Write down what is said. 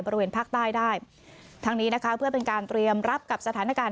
บริเวณภาคใต้ได้ทั้งนี้นะคะเพื่อเป็นการเตรียมรับกับสถานการณ์